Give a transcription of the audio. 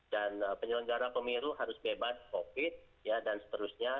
dan penyelenggara pemiru harus bebas covid dan seterusnya